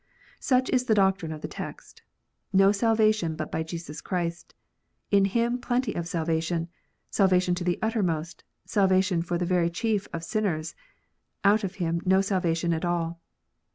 Such is the doctrine of the text. "No salvation but by Jesus Christ; in Him plenty of salvation, salvation to the uttermost, salvation for the very chief of sinners ; out of Him no salvation at all."